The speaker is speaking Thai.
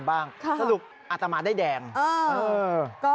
โอ้โหโอ้โห